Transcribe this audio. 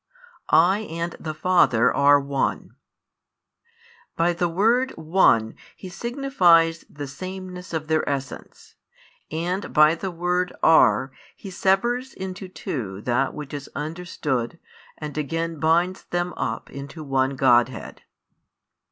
I and the Father are One. By the word "One" He signifies the Sameness of their Essence: and by the word "are" He severs into two that which is understood, and again binds them up into One Godhead.